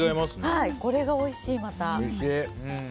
これがおいしいまた。